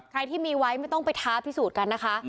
ใครที่มีไว้ไม่ต้องไปท้าพิสูจน์กันนะคะ